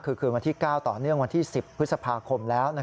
คือคืนวันที่๙ต่อเนื่องวันที่๑๐พฤษภาคมแล้ว